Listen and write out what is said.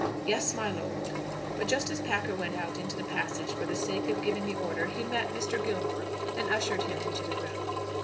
"Yes, my lord." But just as Packer went out into the passage for the sake of giving the order he met Mr. Gilmore, and ushered him into the room.